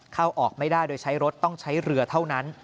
เข้าออกไม่ได้โดยใช้รถต้องใช้เรือเท่านั้น